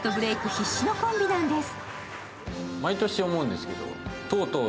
必至のコンビなんです。